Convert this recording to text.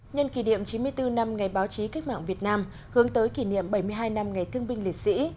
nhân kỷ niệm chín mươi bốn năm ngày báo chí cách mạng việt nam hướng tới kỷ niệm bảy mươi hai năm ngày thương binh liệt sĩ